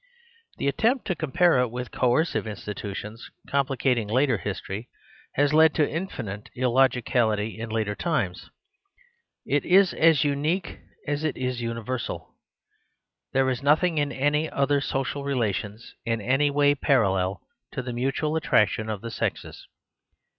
The attempt to com pare it with coercive institutions complicating later history has led to infinite illogicality in later times. It is as unique as it is universal. There is nothing in any other social relations in any way parallel to the mutual attraction of the sexes.